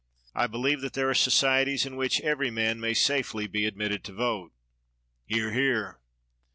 I be lieve that there are societies in which every mai may safely be admitted to vote. [Hear! hear!